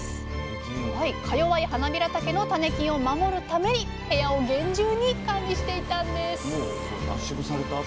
かよわいはなびらたけの種菌を守るために部屋を厳重に管理していたんです